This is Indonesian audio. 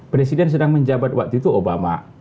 presiden sedang menjabat waktu itu obama